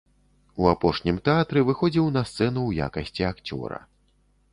У апошнім тэатры выходзіў на сцэну ў якасці акцёра.